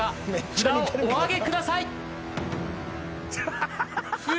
札をお挙げください。